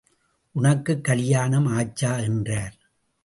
உனக்குக் கலியாணம் ஆச்சா? என்றார்.